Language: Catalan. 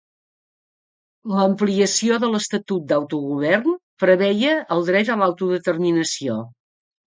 L'ampliació de l'estatut d'autogovern preveia el dret a l'autodeterminació.